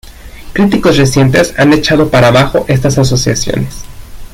Críticos recientes han echado para abajo estas asociaciones.